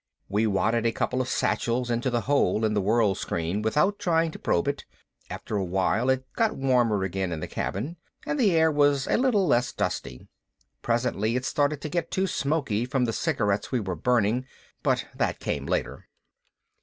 We wadded a couple of satchels into the hole in the World Screen without trying to probe it. After a while it got warmer again in the cabin and the air a little less dusty. Presently it started to get too smoky from the cigarettes we were burning, but that came later.